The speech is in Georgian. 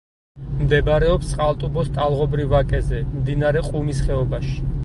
მდებარეობს წყალტუბოს ტალღობრივ ვაკეზე, მდინარე ყუმის ხეობაში.